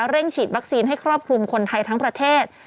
เร่งฉีดวัคซีนให้ครอบคลุมคนไทยทั้งประเทศ